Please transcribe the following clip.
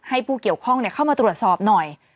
ผู้เกี่ยวข้องเข้ามาตรวจสอบหน่อย